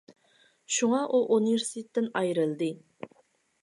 شۇڭا ئۇ ئۇنىۋېرسىتېتتىن ئايرىلدى.